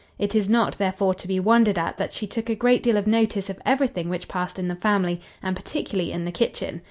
It is not, therefore, to be wondered at, that she took a great deal of notice of every thing which passed in the family, and particularly in the kitchen.